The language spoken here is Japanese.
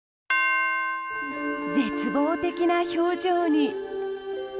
絶望的な表情に。